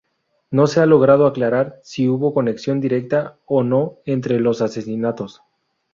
No se ha logrado aclarar si hubo conexión directa o no entre los asesinatos.